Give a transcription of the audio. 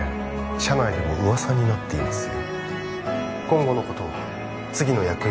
社内でも噂になっていますよ